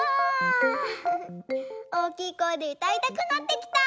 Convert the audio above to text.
おおきいこえでうたいたくなってきた。